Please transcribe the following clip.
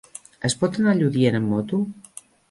Es pot anar a Lludient amb moto?